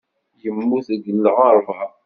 Yemmut deg lɣerba.